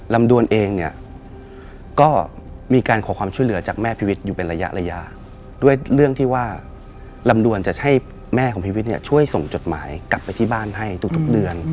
ดวนเองเนี่ยก็มีการขอความช่วยเหลือจากแม่พีวิทย์อยู่เป็นระยะด้วยเรื่องที่ว่าลำดวนจะให้แม่ของพี่วิทย์เนี่ยช่วยส่งจดหมายกลับไปที่บ้านให้ทุกเดือน